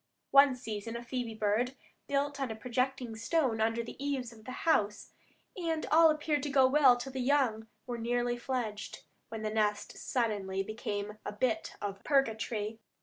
One season a phoebe bird built on a projecting stone under the eaves of the house, and all appeared to go well till the young were nearly fledged, when the nest suddenly became a bit of purgatory.